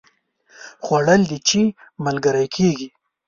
خوړل د چای ملګری کېږي